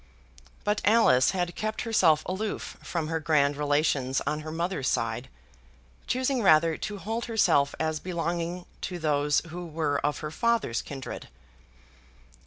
But Alice had kept herself aloof from her grand relations on her mother's side, choosing rather to hold herself as belonging to those who were her father's kindred.